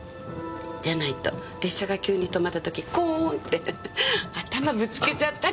じゃないと列車が急に停まった時コーンって頭ぶつけちゃったりするでしょ。